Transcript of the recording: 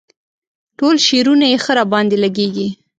ټول شعرونه یې ښه راباندې لګيږي.